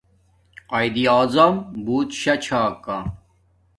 قایداعظم بوت شاہ چھا کا